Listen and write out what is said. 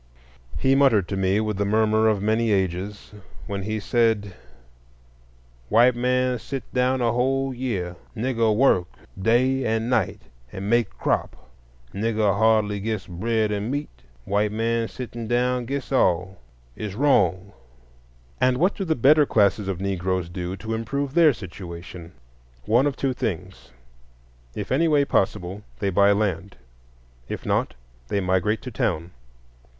He muttered to me with the murmur of many ages, when he said: "White man sit down whole year; Nigger work day and night and make crop; Nigger hardly gits bread and meat; white man sittin' down gits all. It's wrong." And what do the better classes of Negroes do to improve their situation? One of two things: if any way possible, they buy land; if not, they migrate to town.